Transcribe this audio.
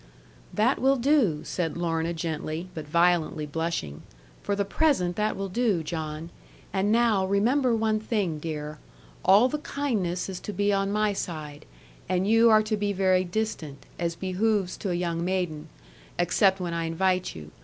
'That will do,' said Lorna gently, but violently blushing; 'for the present that will do, John. And now remember one thing, dear. All the kindness is to be on my side; and you are to be very distant, as behoves to a young maiden; except when I invite you.